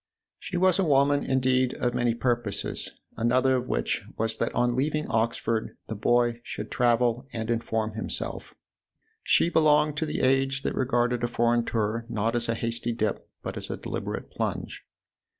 She was a woman indeed of many purposes ; another of which was that on leaving Oxford the boy should travel and inform himself : she belonged to the age that regarded a foreign tour not as a hasty dip, but as a deliberate plunge.